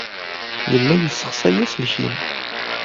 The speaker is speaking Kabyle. Nella nessexsay aselkim.